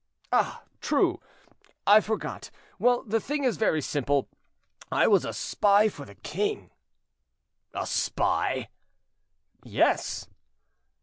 "Ah! true; I forgot. Well, the thing is very simple; I was a spy for the king." "A spy?" "Yes."